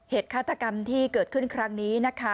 ฆาตกรรมที่เกิดขึ้นครั้งนี้นะคะ